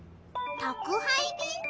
たくはいびん？